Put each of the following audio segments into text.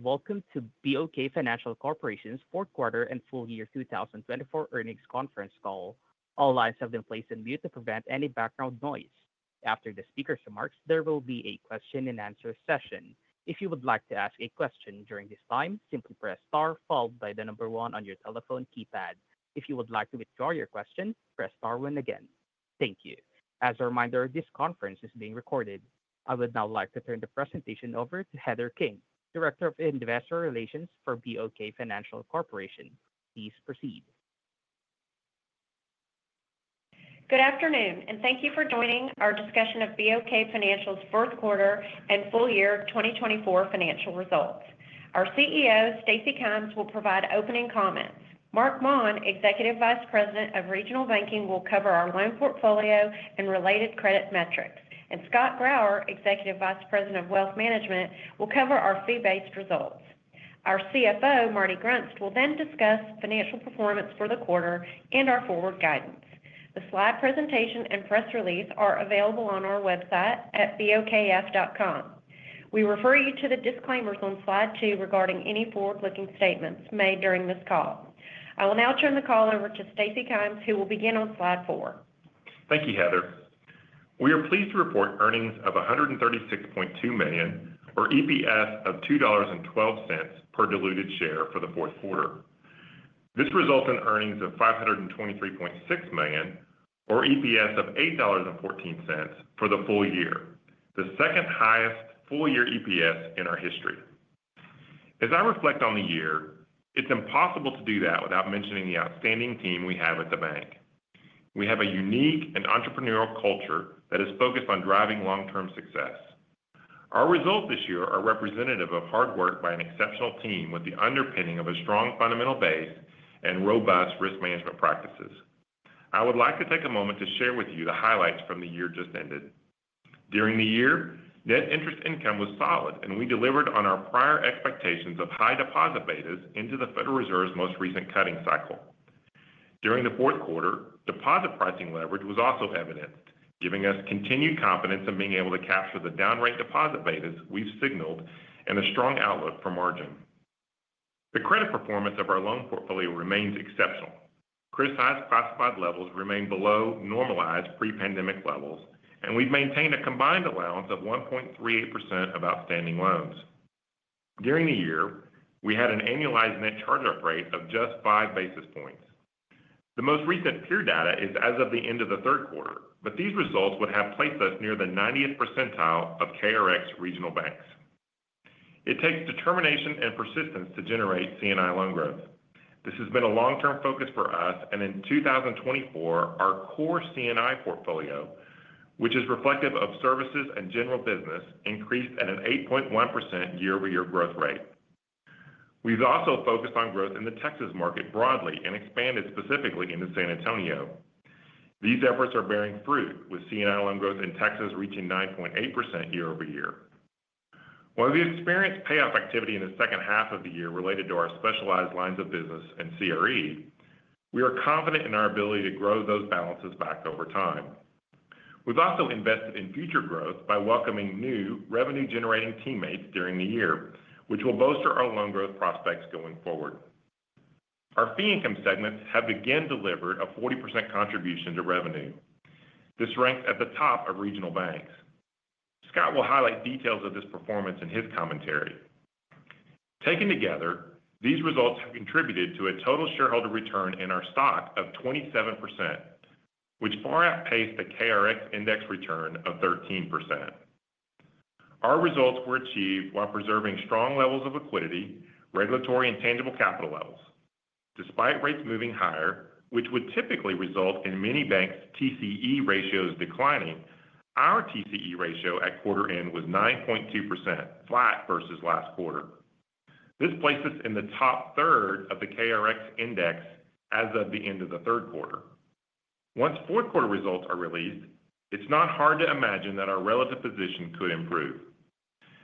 Welcome to BOK Financial Corporation's Fourth Quarter and Full Year 2024 Earnings Conference Call. All lines have been placed on mute to prevent any background noise. After the speaker's remarks, there will be a question-and-answer session. If you would like to ask a question during this time, simply press star followed by the number one on your telephone keypad. If you would like to withdraw your question, press star two again. Thank you. As a reminder, this conference is being recorded. I would now like to turn the presentation over to Heather King, Director of Investor Relations for BOK Financial Corporation. Please proceed. Good afternoon, and thank you for joining our discussion of BOK Financial's Fourth Quarter and Full Year 2024 financial results. Our CEO, Stacy Kymes, will provide opening comments. Marc Maun, Executive Vice President of Regional Banking, will cover our loan portfolio and related credit metrics, and Scott Grauer, Executive Vice President of Wealth Management, will cover our fee-based results. Our CFO, Martin Grunst, will then discuss financial performance for the quarter and our forward guidance. The slide presentation and press release are available on our website at bokf.com. We refer you to the disclaimers on slide two regarding any forward-looking statements made during this call. I will now turn the call over to Stacy Kymes, who will begin on slide four. Thank you, Heather. We are pleased to report earnings of $136.2 million, or EPS of $2.12 per diluted share for the fourth quarter. This results in earnings of $523.6 million, or EPS of $8.14 for the full year, the second highest full-year EPS in our history. As I reflect on the year, it's impossible to do that without mentioning the outstanding team we have at the bank. We have a unique and entrepreneurial culture that is focused on driving long-term success. Our results this year are representative of hard work by an exceptional team with the underpinning of a strong fundamental base and robust risk management practices. I would like to take a moment to share with you the highlights from the year just ended. During the year, net interest income was solid, and we delivered on our prior expectations of high deposit betas into the Federal Reserve's most recent cutting cycle. During the fourth quarter, deposit pricing leverage was also evident, giving us continued confidence in being able to capture the down-rate deposit betas we've signaled and a strong outlook for margin. The credit performance of our loan portfolio remains exceptional. Criticized and classified levels remain below normalized pre-pandemic levels, and we've maintained a combined allowance of 1.38% of outstanding loans. During the year, we had an annualized net charge-off rate of just five basis points. The most recent peer data is as of the end of the third quarter, but these results would have placed us near the 90th percentile of KRX regional banks. It takes determination and persistence to generate C&I loan growth. This has been a long-term focus for us, and in 2024, our core C&I portfolio, which is reflective of services and general business, increased at an 8.1% year-over-year growth rate. We've also focused on growth in the Texas market broadly and expanded specifically into San Antonio. These efforts are bearing fruit, with C&I loan growth in Texas reaching 9.8% year-over-year. While we experienced payoff activity in the second half of the year related to our specialized lines of business and CRE, we are confident in our ability to grow those balances back over time. We've also invested in future growth by welcoming new revenue-generating teammates during the year, which will bolster our loan growth prospects going forward. Our fee-income segments have again delivered a 40% contribution to revenue. This ranks at the top of regional banks. Scott will highlight details of this performance in his commentary. Taken together, these results have contributed to a total shareholder return in our stock of 27%, which far outpaced the KRX index return of 13%. Our results were achieved while preserving strong levels of liquidity, regulatory, and tangible capital levels. Despite rates moving higher, which would typically result in many banks' TCE ratios declining, our TCE ratio at quarter-end was 9.2%, flat versus last quarter. This placed us in the top third of the KRX index as of the end of the third quarter. Once fourth-quarter results are released, it's not hard to imagine that our relative position could improve.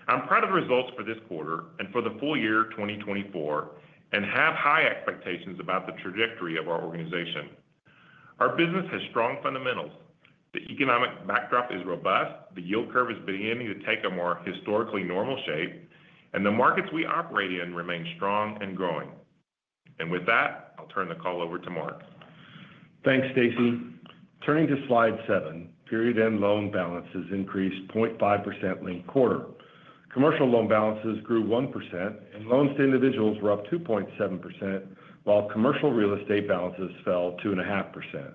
I'm proud of the results for this quarter and for the full year 2024, and have high expectations about the trajectory of our organization. Our business has strong fundamentals. The economic backdrop is robust. The yield curve is beginning to take a more historically normal shape, and the markets we operate in remain strong and growing, and with that, I'll turn the call over to Marc. Thanks, Stacy. Turning to slide seven, period-end loan balances increased 0.5% linked quarter. Commercial loan balances grew 1%, and loans to individuals were up 2.7%, while commercial real estate balances fell 2.5%.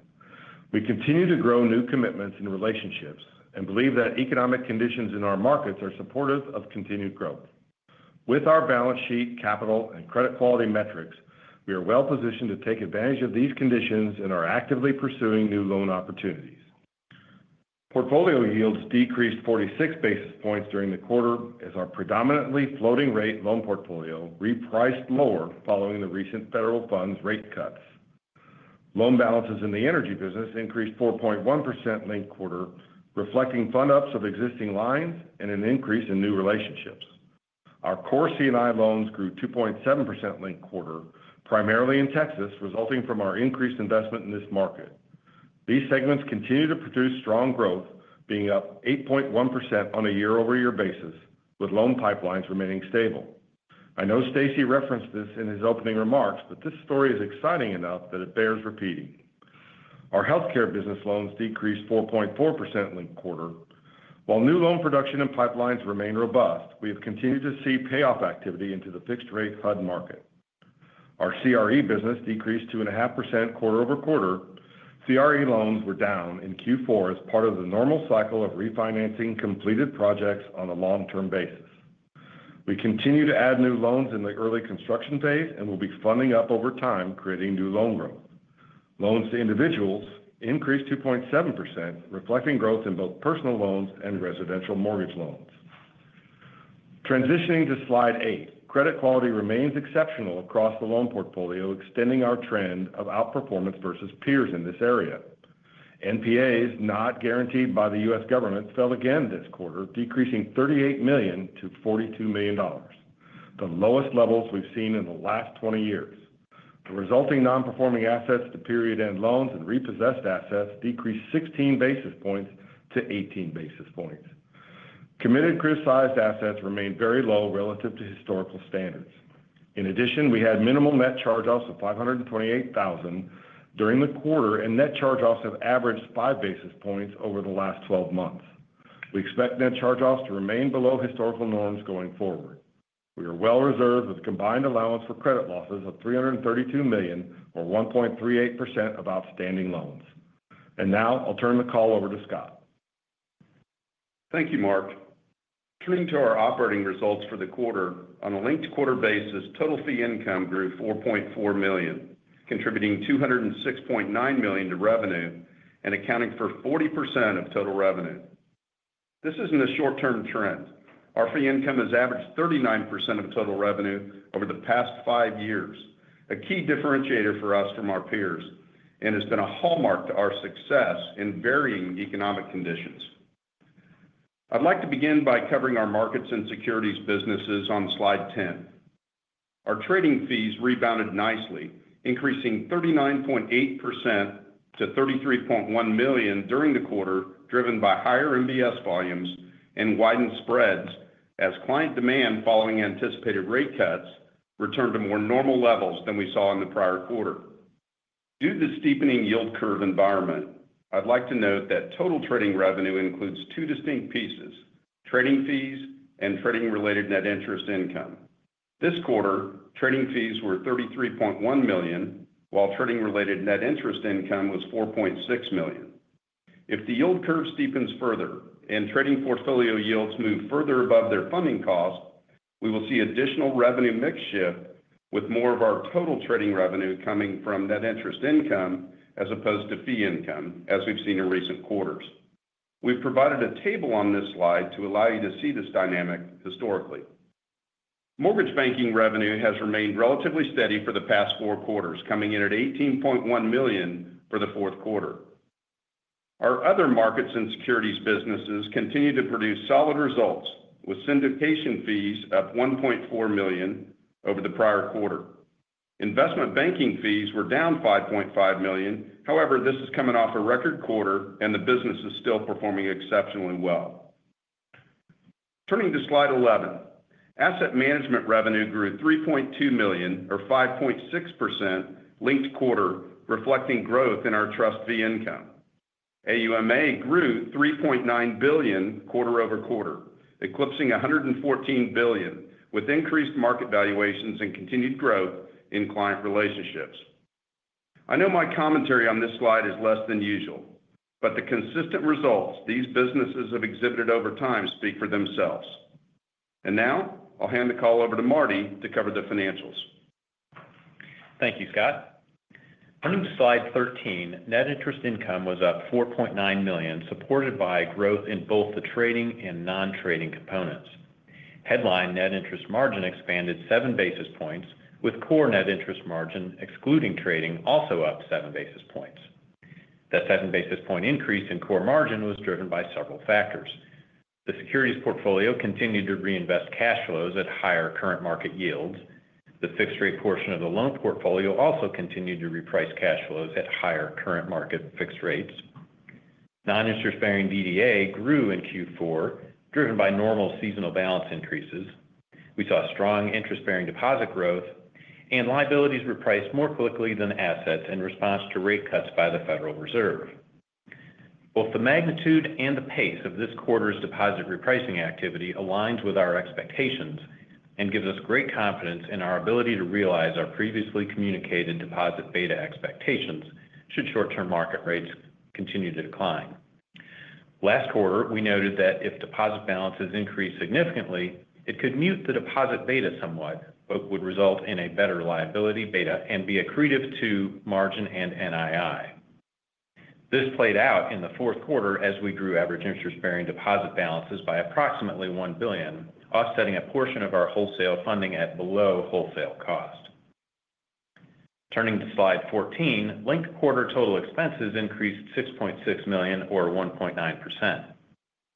We continue to grow new commitments and relationships and believe that economic conditions in our markets are supportive of continued growth. With our balance sheet, capital, and credit quality metrics, we are well-positioned to take advantage of these conditions and are actively pursuing new loan opportunities. Portfolio yields decreased 46 basis points during the quarter as our predominantly floating-rate loan portfolio repriced lower following the recent federal funds rate cuts. Loan balances in the energy business increased 4.1% linked quarter, reflecting fund-ups of existing lines and an increase in new relationships. Our core C&I loans grew 2.7% linked quarter, primarily in Texas, resulting from our increased investment in this market. These segments continue to produce strong growth, being up 8.1% on a year-over-year basis, with loan pipelines remaining stable. I know Stacy referenced this in his opening remarks, but this story is exciting enough that it bears repeating. Our healthcare business loans decreased 4.4% linked quarter. While new loan production and pipelines remain robust, we have continued to see payoff activity into the fixed-rate HUD market. Our CRE business decreased 2.5% quarter over quarter. CRE loans were down in Q4 as part of the normal cycle of refinancing completed projects on a long-term basis. We continue to add new loans in the early construction phase and will be funding up over time, creating new loan growth. Loans to individuals increased 2.7%, reflecting growth in both personal loans and residential mortgage loans. Transitioning to slide eight, credit quality remains exceptional across the loan portfolio, extending our trend of outperformance versus peers in this area. NPAs not guaranteed by the U.S. government fell again this quarter, decreasing $38 million to $42 million, the lowest levels we've seen in the last 20 years. The resulting non-performing assets to period-end loans and repossessed assets decreased 16 basis points to 18 basis points. Committed criticized assets remained very low relative to historical standards. In addition, we had minimal net charge-offs of $528,000 during the quarter, and net charge-offs have averaged five basis points over the last 12 months. We expect net charge-offs to remain below historical norms going forward. We are well-reserved with a combined allowance for credit losses of $332 million, or 1.38% of outstanding loans. And now I'll turn the call over to Scott. Thank you, Marc. Turning to our operating results for the quarter, on a linked quarter basis, total fee income grew $4.4 million, contributing $206.9 million to revenue and accounting for 40% of total revenue. This isn't a short-term trend. Our fee income has averaged 39% of total revenue over the past five years, a key differentiator for us from our peers and has been a hallmark to our success in varying economic conditions. I'd like to begin by covering our markets and securities businesses on slide 10. Our trading fees rebounded nicely, increasing 39.8% to $33.1 million during the quarter, driven by higher MBS volumes and widened spreads as client demand following anticipated rate cuts returned to more normal levels than we saw in the prior quarter. Due to the steepening yield curve environment, I'd like to note that total trading revenue includes two distinct pieces: trading fees and trading-related net interest income. This quarter, trading fees were $33.1 million, while trading-related net interest income was $4.6 million. If the yield curve steepens further and trading portfolio yields move further above their funding cost, we will see additional revenue mix shift, with more of our total trading revenue coming from net interest income as opposed to fee income, as we've seen in recent quarters. We've provided a table on this slide to allow you to see this dynamic historically. Mortgage banking revenue has remained relatively steady for the past four quarters, coming in at $18.1 million for the fourth quarter. Our other markets and securities businesses continue to produce solid results, with syndication fees up $1.4 million over the prior quarter. Investment banking fees were down $5.5 million. However, this is coming off a record quarter, and the business is still performing exceptionally well. Turning to slide 11, asset management revenue grew $3.2 million, or 5.6% linked quarter, reflecting growth in our trust fee income. AUMA grew $3.9 billion quarter over quarter, eclipsing $114 billion, with increased market valuations and continued growth in client relationships. I know my commentary on this slide is less than usual, but the consistent results these businesses have exhibited over time speak for themselves. And now I'll hand the call over to Martin to cover the financials. Thank you, Scott. Turning to slide 13, net interest income was up $4.9 million, supported by growth in both the trading and non-trading components. Headline net interest margin expanded seven basis points, with core net interest margin, excluding trading, also up seven basis points. That seven-basis-point increase in core margin was driven by several factors. The securities portfolio continued to reinvest cash flows at higher current market yields. The fixed-rate portion of the loan portfolio also continued to reprice cash flows at higher current market fixed rates. Non-interest-bearing DDA grew in Q4, driven by normal seasonal balance increases. We saw strong interest-bearing deposit growth, and liabilities repriced more quickly than assets in response to rate cuts by the Federal Reserve. Both the magnitude and the pace of this quarter's deposit repricing activity aligns with our expectations and gives us great confidence in our ability to realize our previously communicated deposit beta expectations should short-term market rates continue to decline. Last quarter, we noted that if deposit balances increased significantly, it could mute the deposit beta somewhat, but would result in a better liability beta and be accretive to margin and NII. This played out in the fourth quarter as we grew average interest-bearing deposit balances by approximately $1 billion, offsetting a portion of our wholesale funding at below wholesale cost. Turning to slide 14, linked quarter total expenses increased $6.6 million, or 1.9%.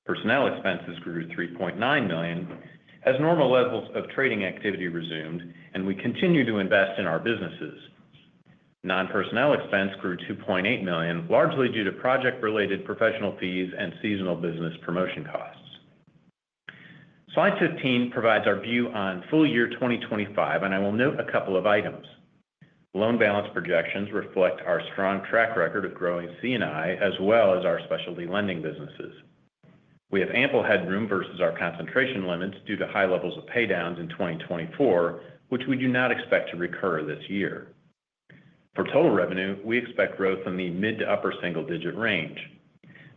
Personnel expenses grew $3.9 million as normal levels of trading activity resumed, and we continue to invest in our businesses. Non-personnel expense grew $2.8 million, largely due to project-related professional fees and seasonal business promotion costs. Slide 15 provides our view on full year 2025, and I will note a couple of items. Loan balance projections reflect our strong track record of growing C&I as well as our specialty lending businesses. We have ample headroom versus our concentration limits due to high levels of paydowns in 2024, which we do not expect to recur this year. For total revenue, we expect growth in the mid to upper single-digit range.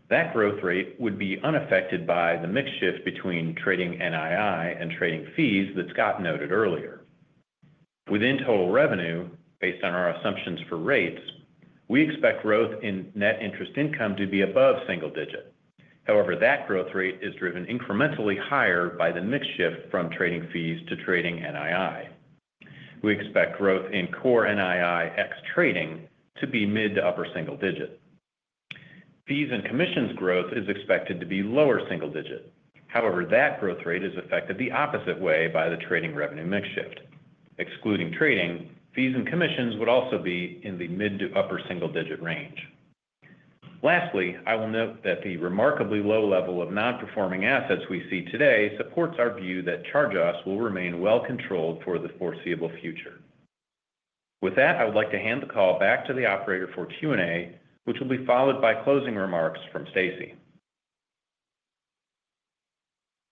That growth rate would be unaffected by the mix shift between trading NII and trading fees that Scott noted earlier. Within total revenue, based on our assumptions for rates, we expect growth in net interest income to be above single digit. However, that growth rate is driven incrementally higher by the mix shift from trading fees to trading NII. We expect growth in core NII ex-trading to be mid to upper single digit. Fees and commissions growth is expected to be lower single-digit. However, that growth rate is affected the opposite way by the trading revenue mix shift. Excluding trading, fees and commissions would also be in the mid- to upper single-digit range. Lastly, I will note that the remarkably low level of non-performing assets we see today supports our view that charge-offs will remain well-controlled for the foreseeable future. With that, I would like to hand the call back to the operator for Q&A, which will be followed by closing remarks from Stacy.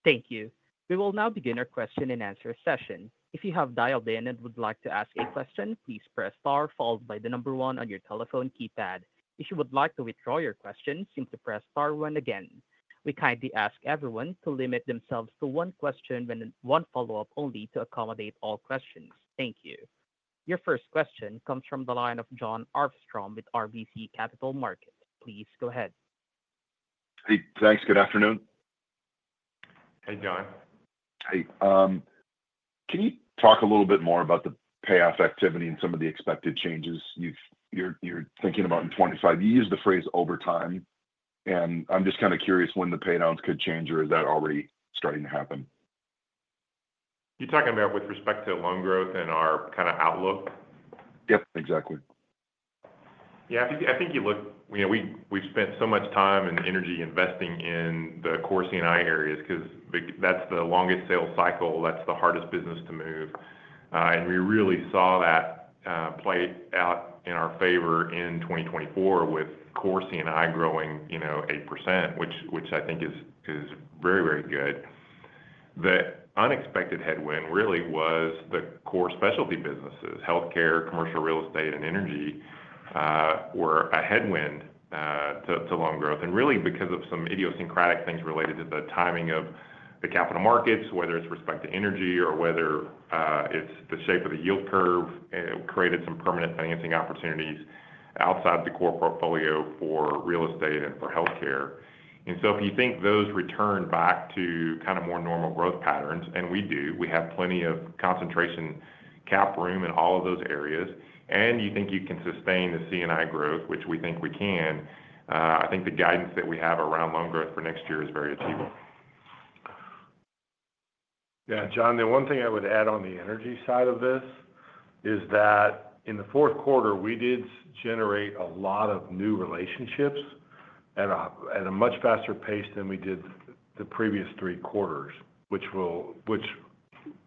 Thank you. We will now begin our question and answer session. If you have dialed in and would like to ask a question, please press star followed by the number one on your telephone keypad. If you would like to withdraw your question, simply press star two again. We kindly ask everyone to limit themselves to one question and one follow-up only to accommodate all questions. Thank you. Your first question comes from the line of Jon Arfstrom with RBC Capital Markets. Please go ahead. Hey, thanks. Good afternoon. Hey, John. Hey. Can you talk a little bit more about the payoff activity and some of the expected changes you're thinking about in 2025? You used the phrase over time, and I'm just kind of curious when the paydowns could change, or is that already starting to happen? You're talking about with respect to loan growth and our kind of outlook? Yep, exactly. Yeah, I think, you know, we've spent so much time and energy investing in the core C&I areas because that's the longest sales cycle. That's the hardest business to move. And we really saw that play out in our favor in 2024 with core C&I growing 8%, which I think is very, very good. The unexpected headwind really was the core specialty businesses: healthcare, commercial real estate, and energy were a headwind to loan growth. And really, because of some idiosyncratic things related to the timing of the capital markets, whether it's with respect to energy or whether it's the shape of the yield curve, it created some permanent financing opportunities outside the core portfolio for real estate and for healthcare. And so if you think those return back to kind of more normal growth patterns, and we do, we have plenty of concentration cap room in all of those areas, and you think you can sustain the C&I growth, which we think we can, I think the guidance that we have around loan growth for next year is very achievable. Yeah, John, the one thing I would add on the energy side of this is that in the fourth quarter, we did generate a lot of new relationships at a much faster pace than we did the previous three quarters, which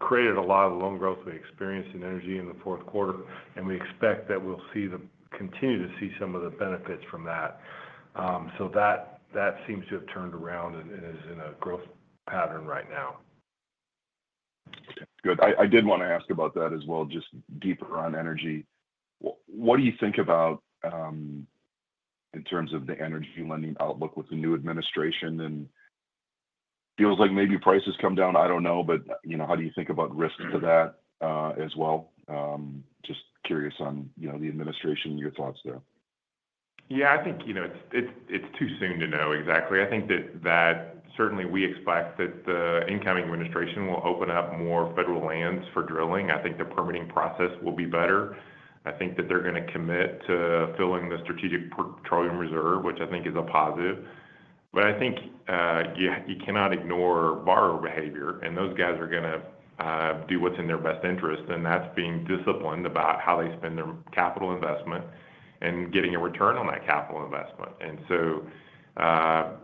created a lot of loan growth we experienced in energy in the fourth quarter. And we expect that we'll continue to see some of the benefits from that. So that seems to have turned around and is in a growth pattern right now. Good. I did want to ask about that as well, just deeper on energy. What do you think about in terms of the energy lending outlook with the new administration? And feels like maybe prices come down, I don't know, but how do you think about risks to that as well? Just curious on the administration, your thoughts there? Yeah, I think it's too soon to know exactly. I think that certainly we expect that the incoming administration will open up more federal lands for drilling. I think the permitting process will be better. I think that they're going to commit to filling the strategic petroleum reserve, which I think is a positive. But I think you cannot ignore borrower behavior, and those guys are going to do what's in their best interest, and that's being disciplined about how they spend their capital investment and getting a return on that capital investment. And so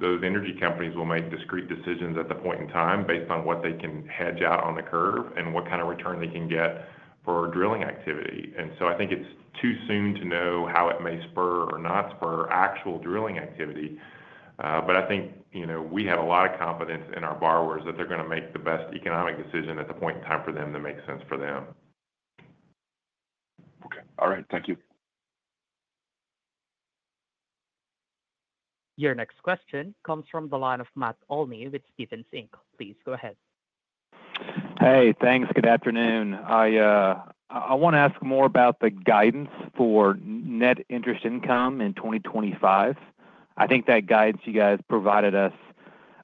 those energy companies will make discrete decisions at the point in time based on what they can hedge out on the curve and what kind of return they can get for drilling activity. And so I think it's too soon to know how it may spur or not spur actual drilling activity. But I think we have a lot of confidence in our borrowers that they're going to make the best economic decision at the point in time for them that makes sense for them. Okay. All right. Thank you. Your next question comes from the line of Matt Olney with Stephens Inc. Please go ahead. Hey, thanks. Good afternoon. I want to ask more about the guidance for net interest income in 2025. I think that guidance you guys provided us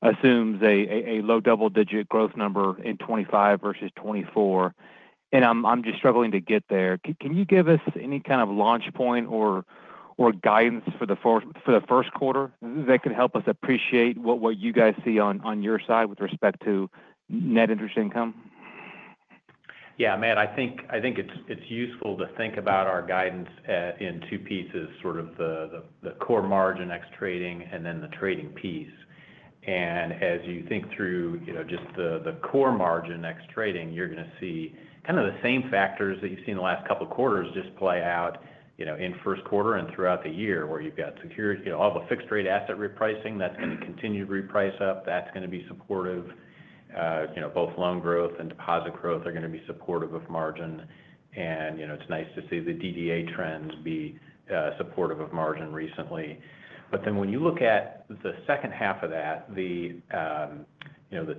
assumes a low double-digit growth number in 2025 versus 2024, and I'm just struggling to get there. Can you give us any kind of launch point or guidance for the first quarter that can help us appreciate what you guys see on your side with respect to net interest income? Yeah, man, I think it's useful to think about our guidance in two pieces, sort of the core margin ex-trading and then the trading piece. And as you think through just the core margin ex-trading, you're going to see kind of the same factors that you've seen the last couple of quarters just play out in first quarter and throughout the year where you've got all the fixed-rate asset repricing that's going to continue to reprice up. That's going to be supportive. Both loan growth and deposit growth are going to be supportive of margin. And it's nice to see the DDA trends be supportive of margin recently. But then when you look at the second half of that, the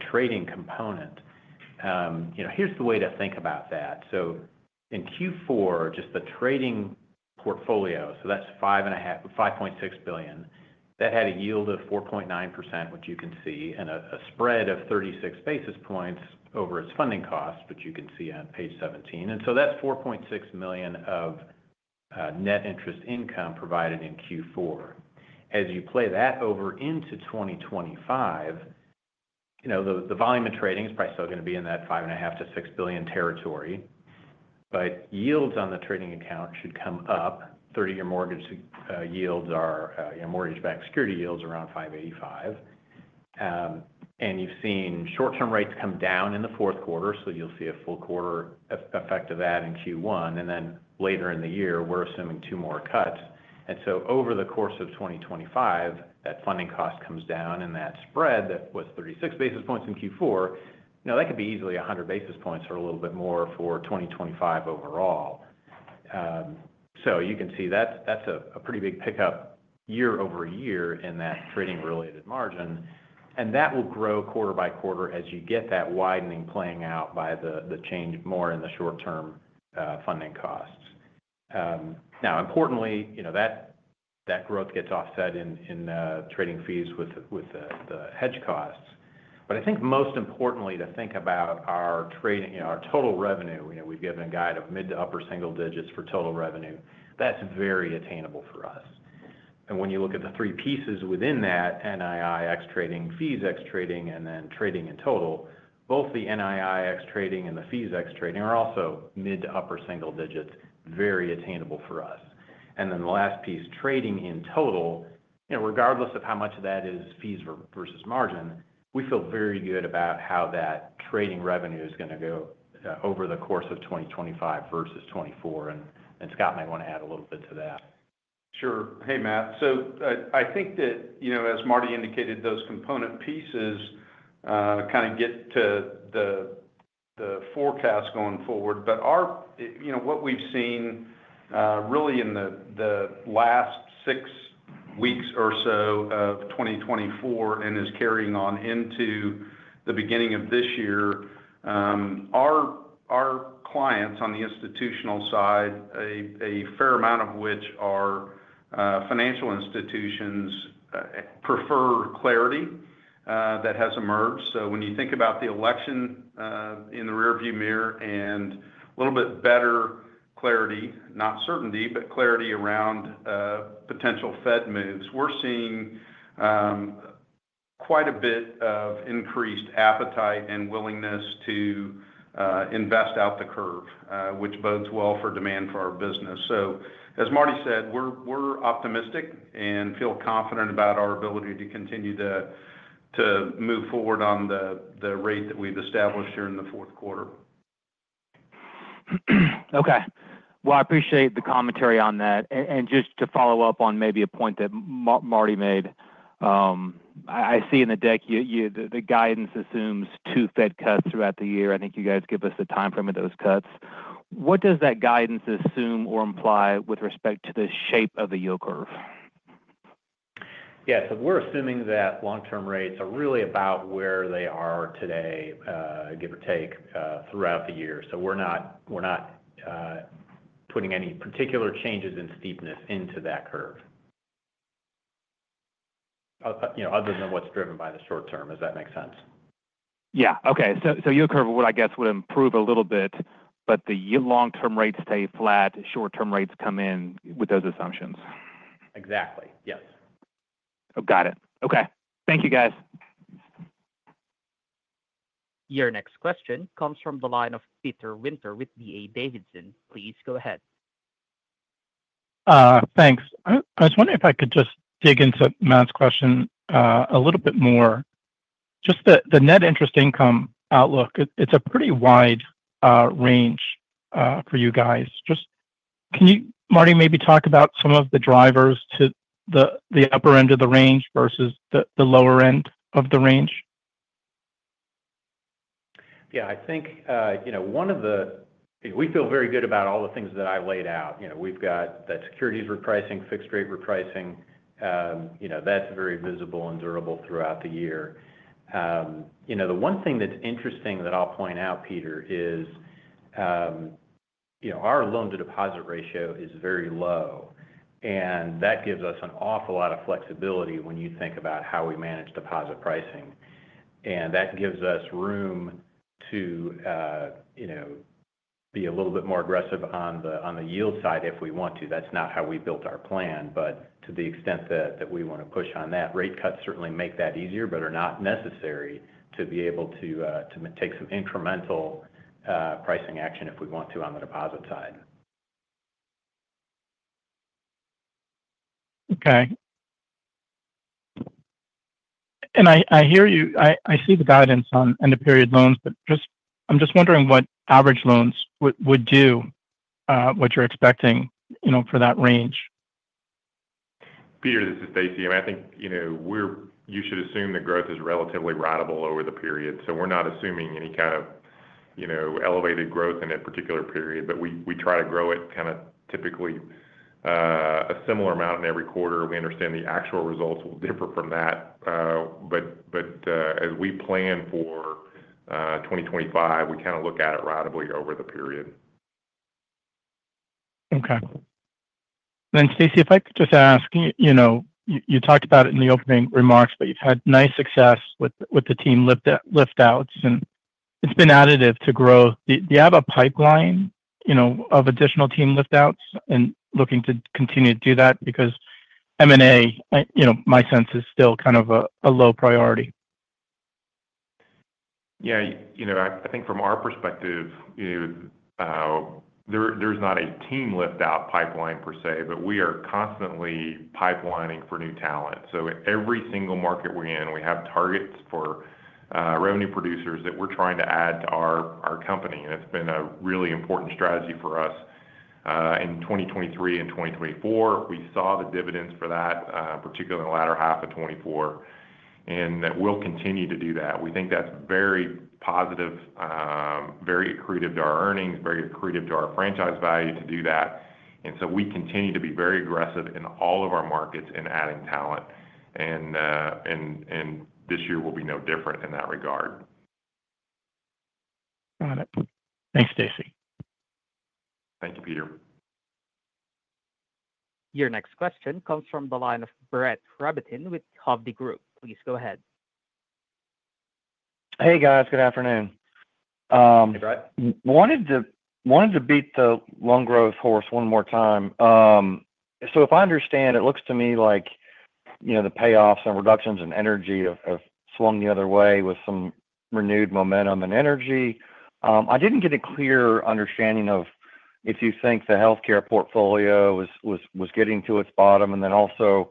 trading component, here's the way to think about that. So in Q4, just the trading portfolio, so that's $5.6 billion. That had a yield of 4.9%, which you can see, and a spread of 36 basis points over its funding cost, which you can see on page 17. So that's $4.6 million of net interest income provided in Q4. As you play that over into 2025, the volume of trading is probably still going to be in that $5.5-$6 billion territory. But yields on the trading account should come up. 30-year mortgage yields are mortgage-backed security yields around 5.85%. You've seen short-term rates come down in the fourth quarter, so you'll see a full quarter effect of that in Q1. Then later in the year, we're assuming two more cuts. And so over the course of 2025, that funding cost comes down, and that spread that was 36 basis points in Q4, that could be easily 100 basis points or a little bit more for 2025 overall. So you can see that that's a pretty big pickup year-over-year in that trading-related margin. And that will grow quarter by quarter as you get that widening playing out by the change more in the short-term funding costs. Now, importantly, that growth gets offset in trading fees with the hedge costs. But I think most importantly to think about our total revenue, we've given a guide of mid to upper single digits for total revenue. That's very attainable for us. And when you look at the three pieces within that, NII ex-trading, fees ex-trading, and then trading in total, both the NII ex-trading and the fees ex-trading are also mid to upper single digits, very attainable for us. And then the last piece, trading in total, regardless of how much of that is fees versus margin, we feel very good about how that trading revenue is going to go over the course of 2025 versus 2024. And Scott might want to add a little bit to that. Sure. Hey, Matt. So I think that, as Martin indicated, those component pieces kind of get to the forecast going forward. But what we've seen really in the last six weeks or so of 2024 and is carrying on into the beginning of this year, our clients on the institutional side, a fair amount of which are financial institutions, prefer clarity that has emerged. So when you think about the election in the rearview mirror and a little bit better clarity, not certainty, but clarity around potential Fed moves, we're seeing quite a bit of increased appetite and willingness to invest out the curve, which bodes well for demand for our business. So as Martin said, we're optimistic and feel confident about our ability to continue to move forward on the rate that we've established here in the fourth quarter. Okay. I appreciate the commentary on that. Just to follow up on maybe a point that Martin made, I see in the deck the guidance assumes two Fed cuts throughout the year. I think you guys give us the timeframe of those cuts. What does that guidance assume or imply with respect to the shape of the yield curve? Yeah. So we're assuming that long-term rates are really about where they are today, give or take, throughout the year. So we're not putting any particular changes in steepness into that curve, other than what's driven by the short term, if that makes sense. Yeah. Okay. So yield curve, I guess, would improve a little bit, but the long-term rates stay flat. Short-term rates come in with those assumptions. Exactly. Yes. Got it. Okay. Thank you, guys. Your next question comes from the line of Peter Winter with D.A. Davidson. Please go ahead. Thanks. I was wondering if I could just dig into Matt's question a little bit more. Just the net interest income outlook, it's a pretty wide range for you guys. Just can you, Martin, maybe talk about some of the drivers to the upper end of the range versus the lower end of the range? Yeah. I think we feel very good about all the things that I laid out. We've got that securities repricing, fixed-rate repricing. That's very visible and durable throughout the year. The one thing that's interesting that I'll point out, Peter, is our loan-to-deposit ratio is very low, and that gives us an awful lot of flexibility when you think about how we manage deposit pricing, and that gives us room to be a little bit more aggressive on the yield side if we want to. That's not how we built our plan, but to the extent that we want to push on that, rate cuts certainly make that easier, but are not necessary to be able to take some incremental pricing action if we want to on the deposit side. Okay. And I hear you. I see the guidance on end-of-period loans, but I'm just wondering what average loans would do what you're expecting for that range? Peter, this is Stacy. I mean, I think you should assume the growth is relatively ratable over the period. So we're not assuming any kind of elevated growth in a particular period, but we try to grow it kind of typically a similar amount in every quarter. We understand the actual results will differ from that. But as we plan for 2025, we kind of look at it ratably over the period. Okay, and Stacy, if I could just ask, you talked about it in the opening remarks, but you've had nice success with the team lift-outs, and it's been additive to growth. Do you have a pipeline of additional team lift-outs and looking to continue to do that? Because M&A, my sense is still kind of a low priority. Yeah. I think from our perspective, there's not a team lift-out pipeline per se, but we are constantly pipelining for new talent. So every single market we're in, we have targets for revenue producers that we're trying to add to our company. And it's been a really important strategy for us in 2023 and 2024. We saw the dividends for that, particularly in the latter half of 2024, and that we'll continue to do that. We think that's very positive, very accretive to our earnings, very accretive to our franchise value to do that. And so we continue to be very aggressive in all of our markets in adding talent. And this year will be no different in that regard. Got it. Thanks, Stacy. Thank you, Peter. Your next question comes from the line of Brett Rabatin with Hovde Group. Please go ahead. Hey, guys. Good afternoon. Hey, Brett. Wanted to beat the loan growth horse one more time, so if I understand, it looks to me like the payoffs and reductions in energy have swung the other way with some renewed momentum and energy. I didn't get a clear understanding of if you think the healthcare portfolio was getting to its bottom, and then also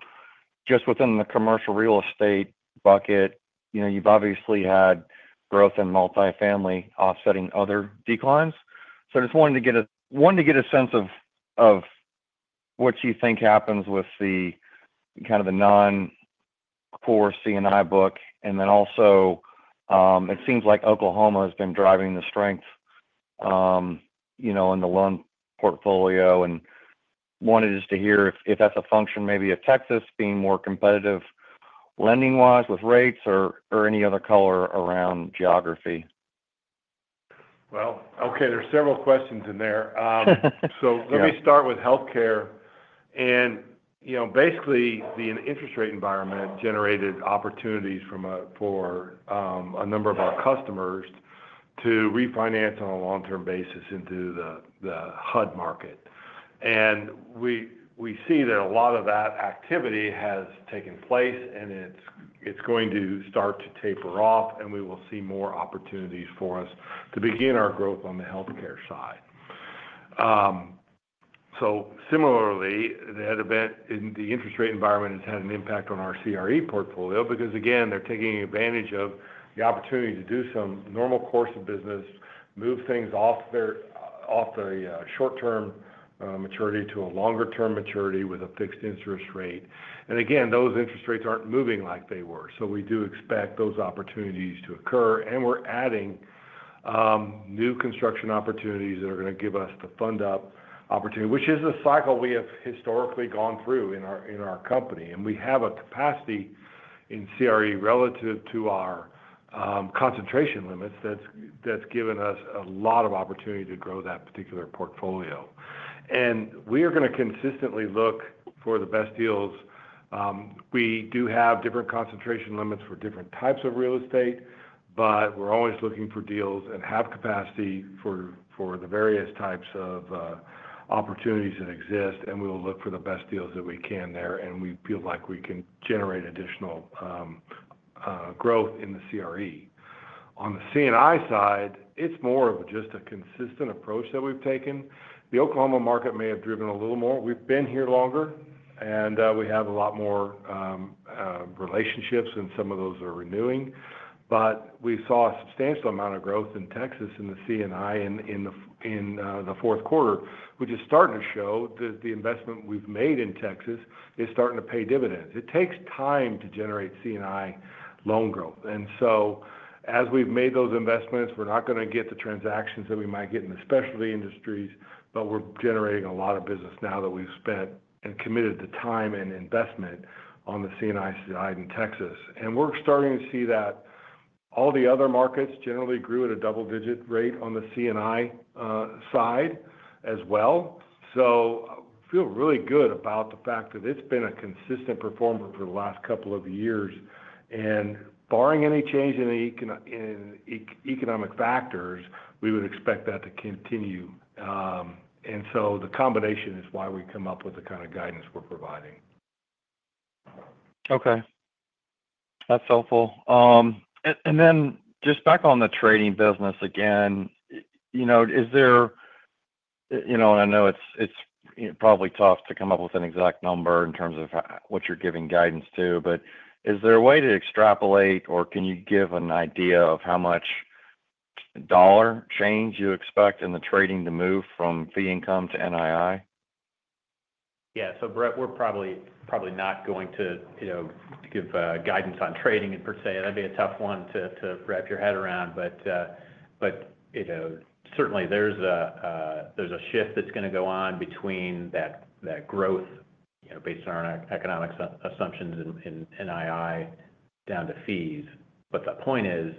just within the commercial real estate bucket, you've obviously had growth in multifamily offsetting other declines, so I just wanted to get a sense of what you think happens with kind of the non-core C&I book, and then also it seems like Oklahoma has been driving the strength in the loan portfolio, and I wanted just to hear if that's a function maybe of Texas being more competitive lending-wise with rates or any other color around geography. Okay, there's several questions in there. So let me start with healthcare. Basically, the interest rate environment generated opportunities for a number of our customers to refinance on a long-term basis into the HUD market. We see that a lot of that activity has taken place, and it's going to start to taper off, and we will see more opportunities for us to begin our growth on the healthcare side. Similarly, the interest rate environment has had an impact on our CRE portfolio because, again, they're taking advantage of the opportunity to do some normal course of business, move things off the short-term maturity to a longer-term maturity with a fixed interest rate. Again, those interest rates aren't moving like they were. We do expect those opportunities to occur. We're adding new construction opportunities that are going to give us the fund-up opportunity, which is a cycle we have historically gone through in our company. We have a capacity in CRE relative to our concentration limits that's given us a lot of opportunity to grow that particular portfolio. We are going to consistently look for the best deals. We do have different concentration limits for different types of real estate, but we're always looking for deals and have capacity for the various types of opportunities that exist. We will look for the best deals that we can there. We feel like we can generate additional growth in the CRE. On the C&I side, it's more of just a consistent approach that we've taken. The Oklahoma market may have driven a little more. We've been here longer, and we have a lot more relationships, and some of those are renewing, but we saw a substantial amount of growth in Texas in the C&I in the fourth quarter, which is starting to show that the investment we've made in Texas is starting to pay dividends. It takes time to generate C&I loan growth, and so as we've made those investments, we're not going to get the transactions that we might get in the specialty industries, but we're generating a lot of business now that we've spent and committed the time and investment on the C&I side in Texas, And we're starting to see that all the other markets generally grew at a double-digit rate on the C&I side as well, so I feel really good about the fact that it's been a consistent performer for the last couple of years. And barring any change in economic factors, we would expect that to continue. And so the combination is why we come up with the kind of guidance we're providing. Okay. That's helpful. And then just back on the trading business again, is there, and I know it's probably tough to come up with an exact number in terms of what you're giving guidance to, but is there a way to extrapolate, or can you give an idea of how much dollar change you expect in the trading to move from fee income to NII? Yeah. So, Brett, we're probably not going to give guidance on trading per se. That'd be a tough one to wrap your head around. But certainly, there's a shift that's going to go on between that growth based on our economic assumptions in NII down to fees. But the point is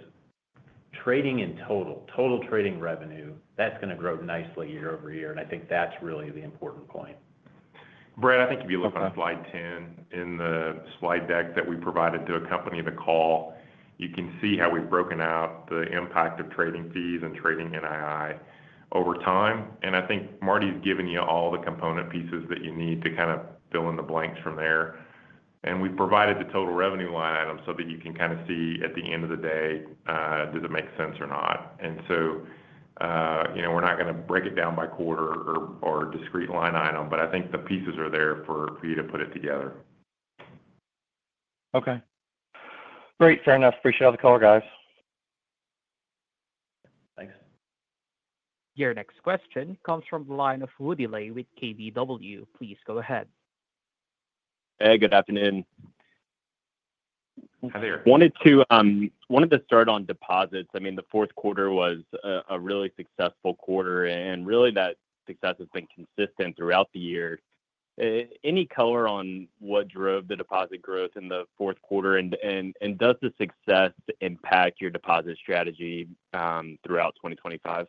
trading in total, total trading revenue, that's going to grow nicely year-over-year. And I think that's really the important point. Brett, I think if you look on slide 10 in the slide deck that we provided to accompany the call, you can see how we've broken out the impact of trading fees and trading NII over time. I think Martin's given you all the component pieces that you need to kind of fill in the blanks from there. We've provided the total revenue line item so that you can kind of see at the end of the day, does it make sense or not? So we're not going to break it down by quarter or discrete line item, but I think the pieces are there for you to put it together. Okay. Great. Fair enough. Appreciate the call, guys. Thanks. Your next question comes from the line of Woody Lay with KBW. Please go ahead. Hey, good afternoon. Hi there. Wanted to start on deposits. I mean, the fourth quarter was a really successful quarter, and really that success has been consistent throughout the year. Any color on what drove the deposit growth in the fourth quarter? And does the success impact your deposit strategy throughout 2025? Yeah.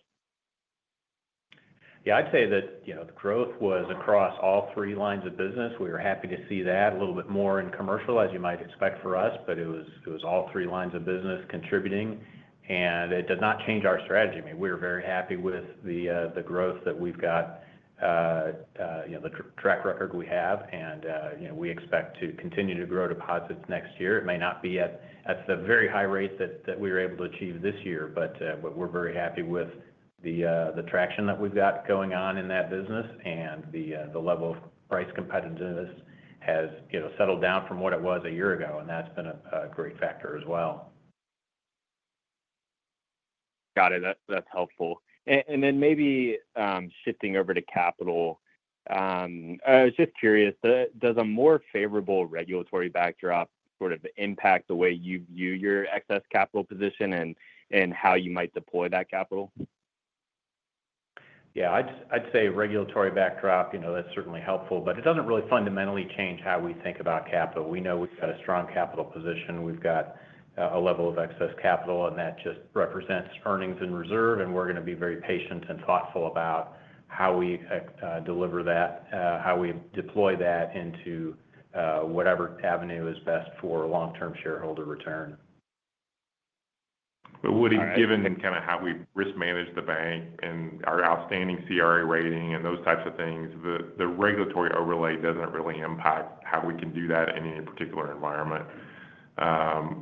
I'd say that the growth was across all three lines of business. We were happy to see that a little bit more in commercial, as you might expect for us, but it was all three lines of business contributing. And it does not change our strategy. I mean, we are very happy with the growth that we've got, the track record we have. And we expect to continue to grow deposits next year. It may not be at the very high rate that we were able to achieve this year, but we're very happy with the traction that we've got going on in that business. And the level of price competitiveness has settled down from what it was a year ago, and that's been a great factor as well. Got it. That's helpful. And then maybe shifting over to capital, I was just curious, does a more favorable regulatory backdrop sort of impact the way you view your excess capital position and how you might deploy that capital? Yeah. I'd say regulatory backdrop, that's certainly helpful, but it doesn't really fundamentally change how we think about capital. We know we've got a strong capital position. We've got a level of excess capital, and that just represents earnings in reserve, and we're going to be very patient and thoughtful about how we deliver that, how we deploy that into whatever avenue is best for long-term shareholder return. But would it given kind of how we risk manage the bank and our outstanding CRA rating and those types of things, the regulatory overlay doesn't really impact how we can do that in any particular environment.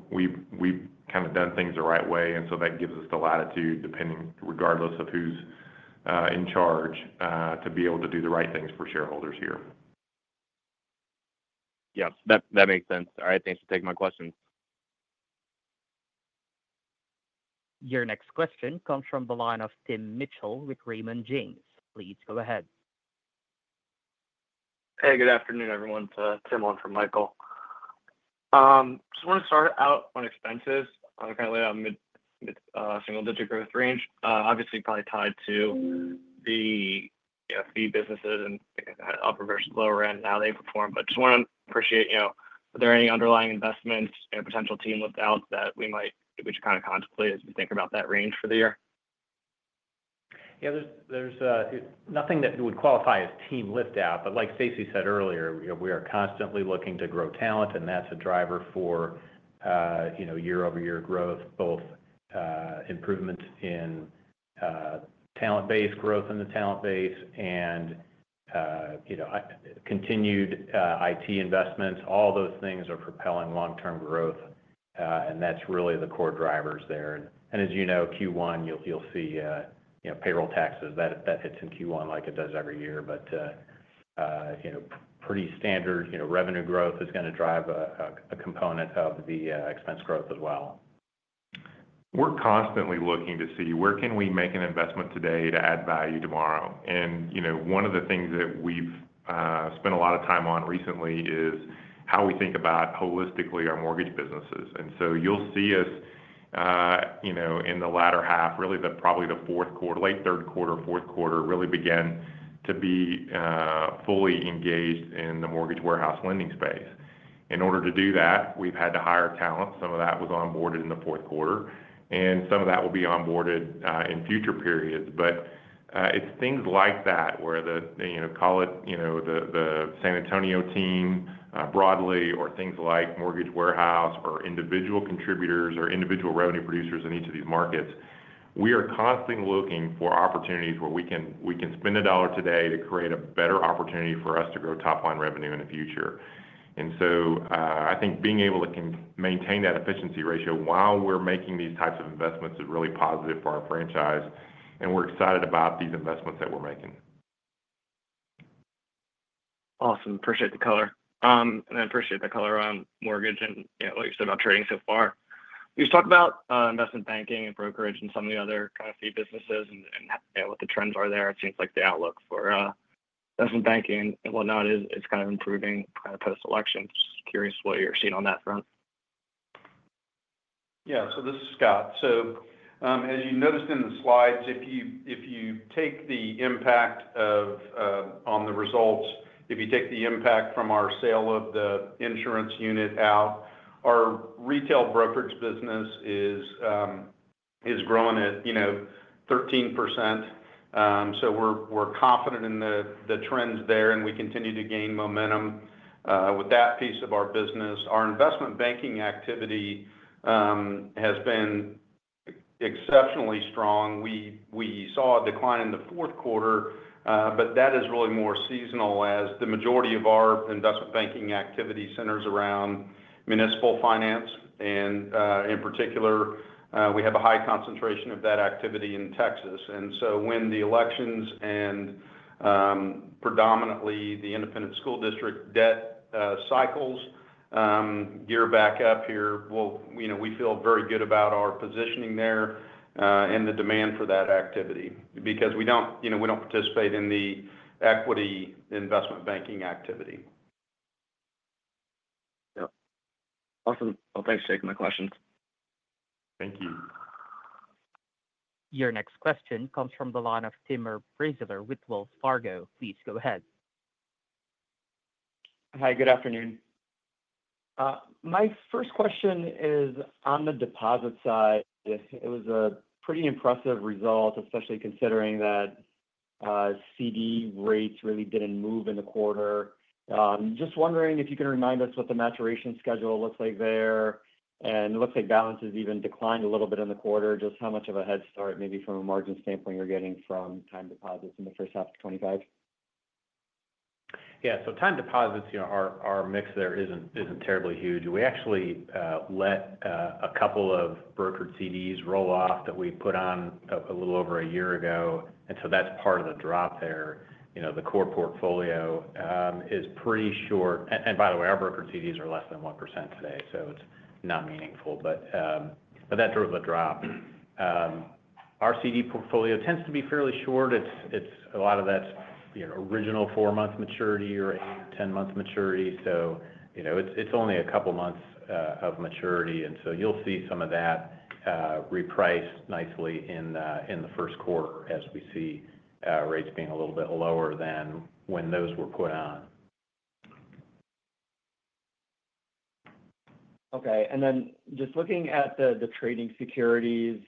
We've kind of done things the right way, and so that gives us the latitude regardless of who's in charge to be able to do the right things for shareholders here. Yep. That makes sense. All right. Thanks for taking my questions. Your next question comes from the line of Tim Mitchell with Raymond James. Please go ahead. Hey, good afternoon, everyone. Tim Langford, Michael. Just wanted to start out on expenses. I'm currently on a single-digit growth range, obviously probably tied to the fee businesses and upper versus lower end, how they perform. But just want to appreciate if there are any underlying investments, potential team lift-outs that we might kind of contemplate as we think about that range for the year. Yeah. There's nothing that would qualify as team lift-out, but like Stacy said earlier, we are constantly looking to grow talent, and that's a driver for year-over-year growth, both improvements in talent-based growth in the talent base and continued IT investments. All those things are propelling long-term growth, and that's really the core drivers there. And as you know, Q1, you'll see payroll taxes. That hits in Q1 like it does every year. But pretty standard revenue growth is going to drive a component of the expense growth as well. We're constantly looking to see where can we make an investment today to add value tomorrow. And one of the things that we've spent a lot of time on recently is how we think about holistically our mortgage businesses. And so you'll see us in the latter half, really probably the fourth quarter, late third quarter, fourth quarter really begin to be fully engaged in the mortgage warehouse lending space. In order to do that, we've had to hire talent. Some of that was onboarded in the fourth quarter, and some of that will be onboarded in future periods. But it's things like that where the call it the San Antonio team broadly or things like mortgage warehouse or individual contributors or individual revenue producers in each of these markets. We are constantly looking for opportunities where we can spend a dollar today to create a better opportunity for us to grow top-line revenue in the future, and so I think being able to maintain that efficiency ratio while we're making these types of investments is really positive for our franchise, and we're excited about these investments that we're making. Awesome. Appreciate the color. And I appreciate the color on mortgage and what you said about trading so far. You just talked about investment banking and brokerage and some of the other kind of fee businesses and what the trends are there. It seems like the outlook for investment banking and whatnot is kind of improving kind of post-election. Just curious what you're seeing on that front. Yeah. So this is Scott. So as you noticed in the slides, if you take the impact on the results, if you take the impact from our sale of the insurance unit out, our retail brokerage business is growing at 13%. So we're confident in the trends there, and we continue to gain momentum with that piece of our business. Our investment banking activity has been exceptionally strong. We saw a decline in the fourth quarter, but that is really more seasonal as the majority of our investment banking activity centers around municipal finance. And in particular, we have a high concentration of that activity in Texas. And so when the elections and predominantly the independent school district debt cycles gear back up here, we feel very good about our positioning there and the demand for that activity because we don't participate in the equity investment banking activity. Yep. Awesome. Well, thanks for taking my questions. Thank you. Your next question comes from the line of Timur Braziler with Wells Fargo. Please go ahead. Hi. Good afternoon. My first question is on the deposit side. It was a pretty impressive result, especially considering that CD rates really didn't move in the quarter. Just wondering if you can remind us what the maturity schedule looks like there, and it looks like balances even declined a little bit in the quarter. Just how much of a head start maybe from a margin standpoint you're getting from time deposits in the first half of 2025? Yeah, so time deposits, our mix there isn't terribly huge. We actually let a couple of brokered CDs roll off that we put on a little over a year ago, and so that's part of the drop there. The core portfolio is pretty short. And by the way, our brokered CDs are less than 1% today, so it's not meaningful, but that drove the drop. Our CD portfolio tends to be fairly short. A lot of that's original four-month maturity or eight or 10-month maturity. So it's only a couple of months of maturity. And so you'll see some of that repriced nicely in the first quarter as we see rates being a little bit lower than when those were put on. Okay. And then just looking at the trading securities,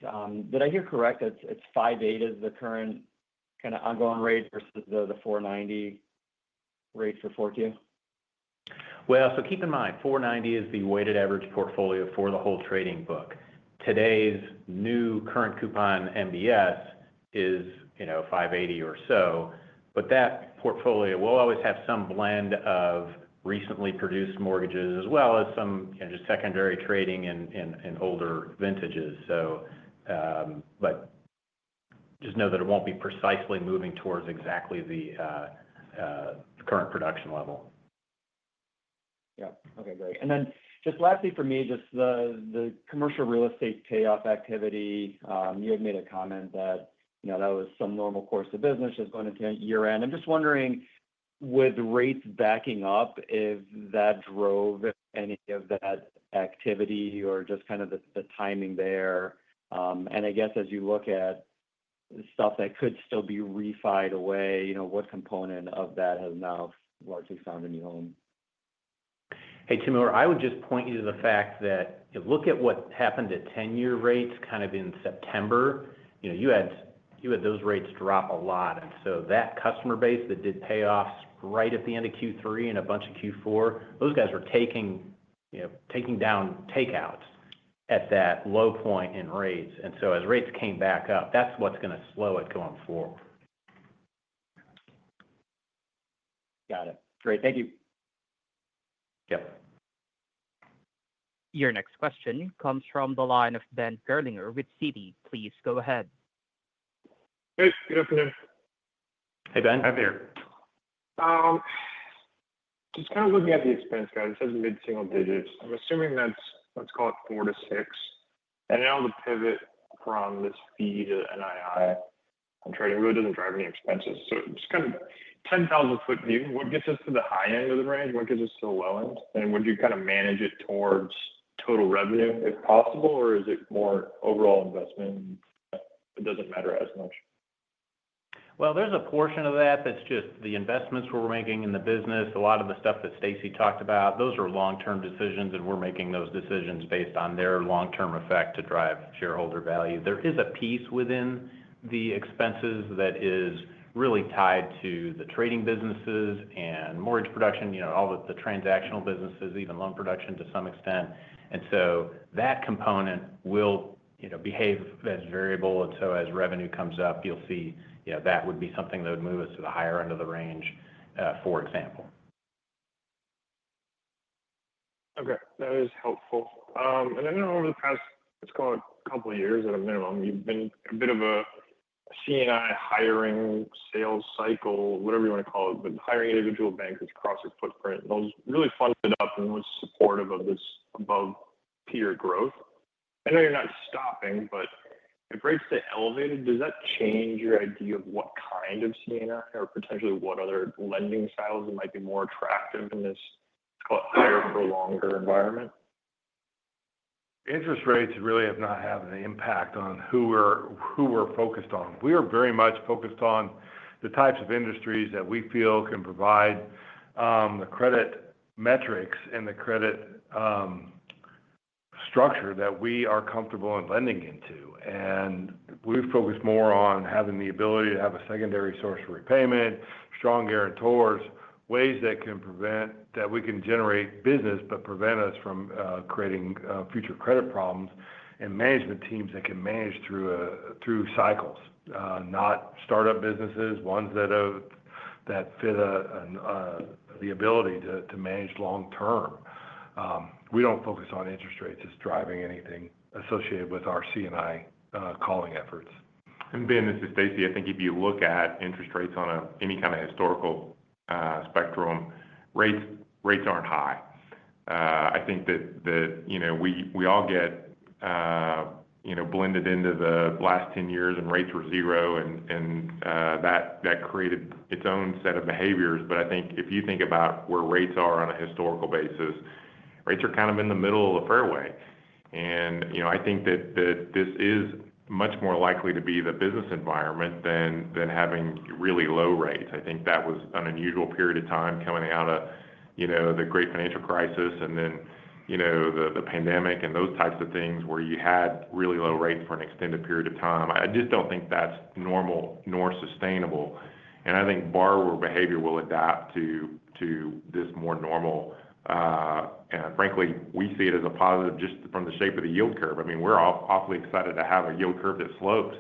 did I hear correct that it's 5/8 is the current kind of ongoing rate versus the 490 rate for the firm? Well, so keep in mind, 490 is the weighted average portfolio for the whole trading book. Today's new current coupon MBS is 580 or so. But that portfolio will always have some blend of recently produced mortgages as well as some just secondary trading and older vintages. But just know that it won't be precisely moving towards exactly the current production level. Yep. Okay. Great. And then just lastly for me, just the commercial real estate payoff activity. You had made a comment that that was some normal course of business just going into year-end. I'm just wondering, with rates backing up, if that drove any of that activity or just kind of the timing there. And I guess as you look at stuff that could still be refi'd away, what component of that has now largely found a new home? Hey, Timur, I would just point you to the fact that look at what happened at 10-year rates kind of in September. You had those rates drop a lot. And so that customer base that did payoffs right at the end of Q3 and a bunch of Q4, those guys were taking down takeouts at that low point in rates. And so as rates came back up, that's what's going to slow it going forward. Got it. Great. Thank you. Yep. Your next question comes from the line of Ben Gerlinger with Citi. Please go ahead. Hey. Good afternoon. Hey, Ben. Hi there. Just kind of looking at the expenses, guys. It says mid-single digits. I'm assuming that's, let's call it, four to six, and now the pivot from this fee to NII and trading really doesn't drive any expenses. So just kind of 10,000-foot view, what gets us to the high end of the range? What gets us to the low end, and would you kind of manage it towards total revenue if possible, or is it more overall investment? It doesn't matter as much. There's a portion of that that's just the investments we're making in the business. A lot of the stuff that Stacy talked about, those are long-term decisions, and we're making those decisions based on their long-term effect to drive shareholder value. There is a piece within the expenses that is really tied to the trading businesses and mortgage production, all the transactional businesses, even loan production to some extent. That component will behave as variable. As revenue comes up, you'll see that would be something that would move us to the higher end of the range, for example. Okay. That is helpful. I know over the past, let's call it a couple of years at a minimum, you've been a bit of a C&I hiring sales cycle, whatever you want to call it, but hiring individual bankers that's across its footprint. And those really funded up and was supportive of this above-peer growth. I know you're not stopping, but if rates stay elevated, does that change your idea of what kind of C&I or potentially what other lending styles that might be more attractive in this, let's call it, higher-for-longer environment? Interest rates really have not had an impact on who we're focused on. We are very much focused on the types of industries that we feel can provide the credit metrics and the credit structure that we are comfortable in lending into, and we focus more on having the ability to have a secondary source of repayment, strong guarantors, ways that we can generate business but prevent us from creating future credit problems, and management teams that can manage through cycles, not startup businesses, ones that fit the ability to manage long-term. We don't focus on interest rates as driving anything associated with our C&I calling efforts. Ben, this is Stacy. I think if you look at interest rates on any kind of historical spectrum, rates aren't high. I think that we all get blended into the last 10 years and rates were zero, and that created its own set of behaviors. But I think if you think about where rates are on a historical basis, rates are kind of in the middle of the fairway. And I think that this is much more likely to be the business environment than having really low rates. I think that was an unusual period of time coming out of the great financial crisis and then the pandemic and those types of things where you had really low rates for an extended period of time. I just don't think that's normal nor sustainable. And I think borrower behavior will adapt to this more normal. Frankly, we see it as a positive just from the shape of the yield curve. I mean, we're awfully excited to have a yield curve that slopes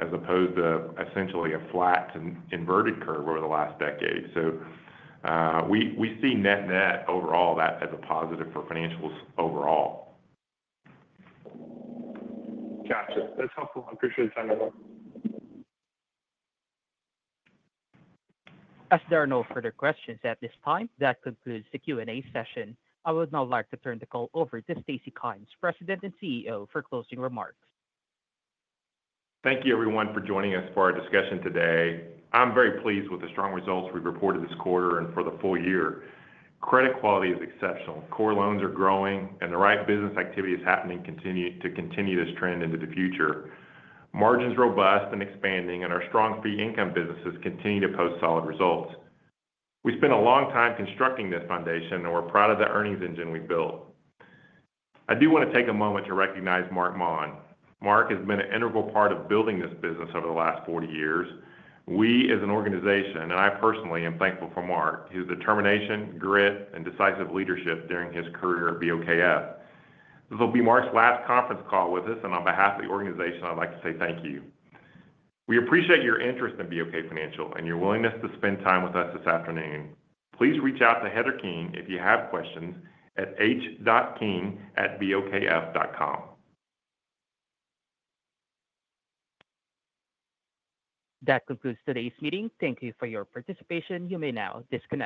as opposed to essentially a flat inverted curve over the last decade. We see net-net overall that as a positive for financials overall. Gotcha. That's helpful. I appreciate the time. As there are no further questions at this time, that concludes the Q&A session. I would now like to turn the call over to Stacy Kymes, President and CEO, for closing remarks. Thank you, everyone, for joining us for our discussion today. I'm very pleased with the strong results we've reported this quarter and for the full year. Credit quality is exceptional. Core loans are growing, and the right business activity is happening to continue this trend into the future. Margin's robust and expanding, and our strong fee income businesses continue to post solid results. We spent a long time constructing this foundation, and we're proud of the earnings engine we built. I do want to take a moment to recognize Marc Maun. Marc has been an integral part of building this business over the last 40 years. We, as an organization, and I personally am thankful for Marc, his determination, grit, and decisive leadership during his career at BOKF. This will be Marc's last conference call with us, and on behalf of the organization, I'd like to say thank you. We appreciate your interest in BOK Financial and your willingness to spend time with us this afternoon. Please reach out to Heather King if you have questions at h.king@bokf.com. That concludes today's meeting. Thank you for your participation. You may now disconnect.